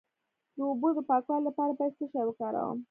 د اوبو د پاکوالي لپاره باید څه شی وکاروم؟